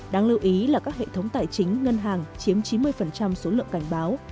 đáng lưu ý là các hệ thống tài chính ngân hàng chiếm chín mươi số lượng cảnh báo